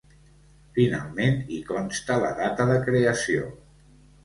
Finalment, hi consta la data de creació.